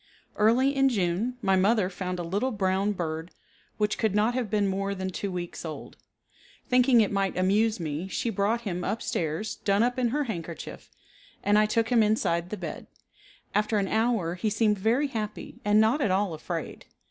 Early in June my mother found a little brown bird which could not have been more than two weeks old. Thinking it might amuse me she brought him up stairs done up in her handkerchief, and I took him inside the bed. After an hour he seemed very happy and not at all afraid.